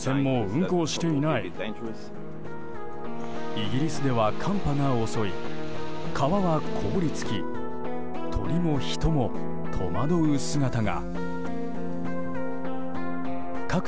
イギリスでは寒波が襲い川は凍りつき鳥も人も戸惑う姿が。